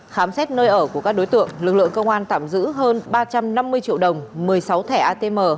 khám xét nơi ở của các đối tượng lực lượng công an tạm giữ hơn ba trăm năm mươi triệu đồng một mươi sáu thẻ atm